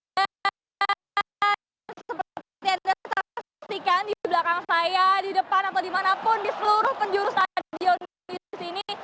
dan seperti yang disaksikan di belakang saya di depan atau dimanapun di seluruh penjuru stadion wibawa mukti cikarang di sini